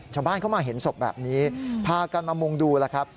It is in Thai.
ชาวบ้านเข้ามาเห็นศพแบบนี้พากันมามุงดูแล้วครับ